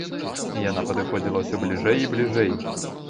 Яна падыходзіла ўсё бліжэй і бліжэй.